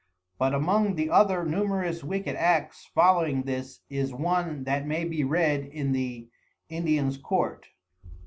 But among the other Numerous Wicked Acts following this is one that may be read in the Indians Courts.